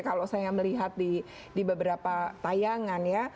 kalau saya melihat di beberapa tayangan ya